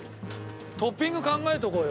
トッピング考えておこうよ。